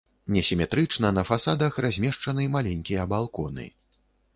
Несіметрычна на фасадах размешчаны маленькія балконы.